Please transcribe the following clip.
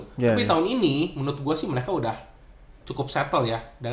tapi tahun ini menurut gue sih mereka udah cukup settle ya